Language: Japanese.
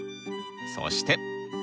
そして！